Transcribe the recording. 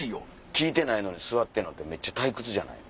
聞いてないのに座ってるのってめっちゃ退屈じゃない？